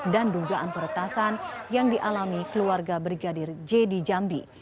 dan dugaan peretasan yang dialami keluarga brigadir j di jambi